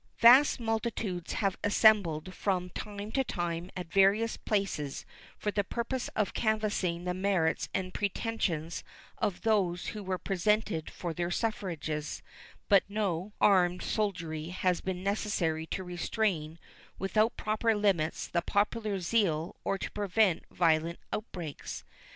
Vast multitudes have assembled from time to time at various places for the purpose of canvassing the merits and pretensions of those who were presented for their suffrages, but no armed soldiery has been necessary to restrain within proper limits the popular zeal or to prevent violent outbreaks.